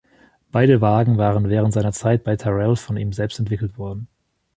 Beide Wagen waren während seiner Zeit bei Tyrrell von ihm selbst entwickelt worden.